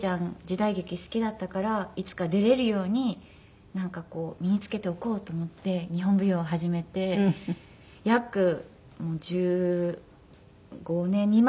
時代劇好きだったからいつか出れるように何か身につけておこうと思って日本舞踊を始めて約１５年未満ぐらいになるんですけど。